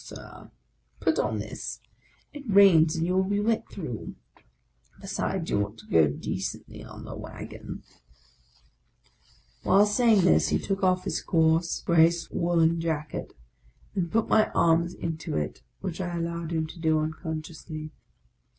Sir; put on this; it rains, and you will be wet through; be sides, you ought to go decently on the wagon !" While saying this, he took off his coarse, grey woollen jacket, and put my arms into it, which I allowed him to do unconsciously.